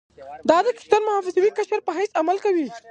دا قشر د محافظوي قشر په حیث عمل کوي.